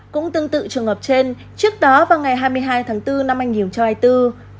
cũng tương tự trường hợp trên trước đó vào ngày hai mươi hai tháng bốn năm anh hiểu cho hai mươi bốn